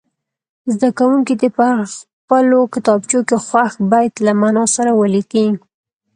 زده کوونکي دې په خپلو کتابچو کې خوښ بیت له معنا سره ولیکي.